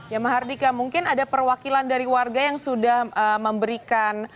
ya mahardika mungkin ada perwakilan dari warga yang sudah memberikan